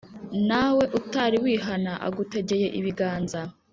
Nawe utari wihana agutegeye ibiganza